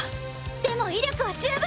でも威力は十分！